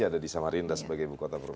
ada di samarinda sebagai ibu kota